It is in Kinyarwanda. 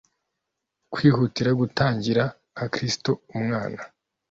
kwihutira gutangira nka kristo umwana.